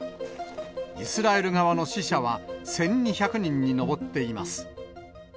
イスラエル側の死者は１２００人に上っています。